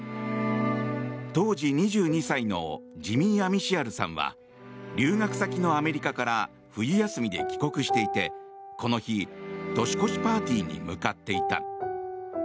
当時２２歳のジミー・アミシアルさんは留学先のアメリカから冬休みで帰国していてこの日、年越しパーティーに向かっていた。